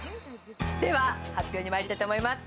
では発表にまいりたいと思います。